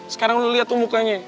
sekarang lo liat tuh mukanya